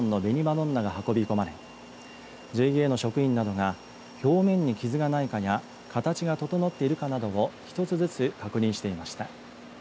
どんなが運び込まれＪＡの職員などが表面に傷がないかや形が整っているかなどを一つずつ確認していました。